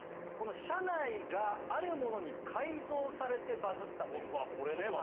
車内があるものに改造されてバズったということなんです。